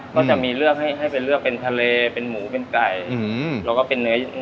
ก็จะมีเลือกให้ให้เป็นเลือกเป็นทะเลเป็นหมูเป็นไก่อืมแล้วก็เป็นเนื้อ